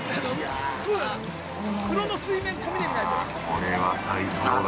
◆これは最高だ。